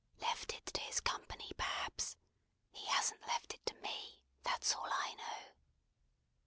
"Left it to his company, perhaps. He hasn't left it to me. That's all I know."